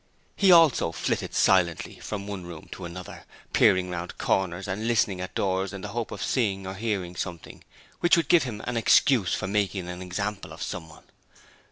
He also flitted silently from one room to another, peering round corners and listening at doors in the hope of seeing or hearing something which would give him an excuse for making an example of someone.